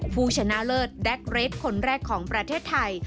ผู้ชนะเลิศแด็กเรทคนแรกของประเทศไทย